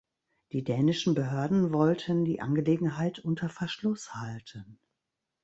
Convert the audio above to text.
Die dänischen Behörden wollten die Angelegenheit unter Verschluss halten.